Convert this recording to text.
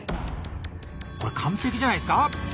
これ完璧じゃないですか？